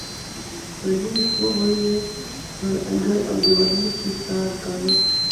په نیمو شپو به یې په انګړ او دیوالونو کې څار کاوه.